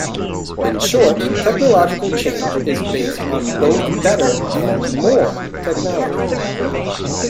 In short, technological change is based on both better and more technology.